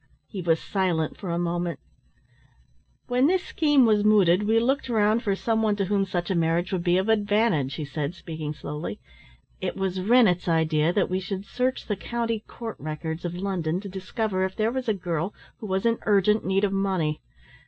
He was silent for a moment. "When this scheme was mooted we looked round for some one to whom such a marriage would be of advantage," he said, speaking slowly. "It was Rennett's idea that we should search the County Court records of London to discover if there was a girl who was in urgent need of money.